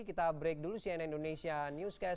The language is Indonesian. kita break dulu cnn indonesia newscast